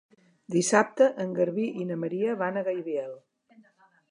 Dissabte en Garbí i na Maria van a Gaibiel.